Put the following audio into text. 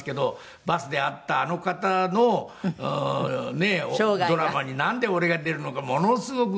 バスで会ったあの方のねえドラマになんで俺が出るのかものすごく。